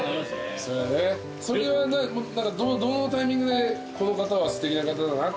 それはどのタイミングでこの方はすてきな方だなと思ったんですか？